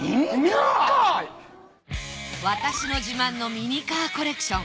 私の自慢のミニカーコレクション。